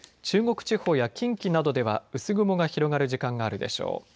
中国地方や近畿などでは薄雲が広がる時間があるでしょう。